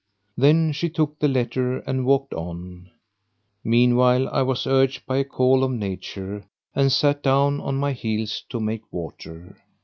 Then she took the letter and walked on. Meanwhile, I was urged by a call of nature and sat down on my heels to make water.